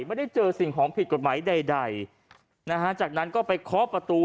ไม่ได้เจอสิ่งของผิดกฎหมายใดใดนะฮะจากนั้นก็ไปเคาะประตู